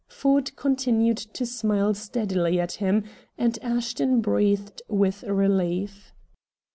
Ford continued to smile steadily at him, and Ashton breathed with relief.